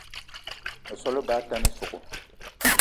Meso á lebá atane ísogò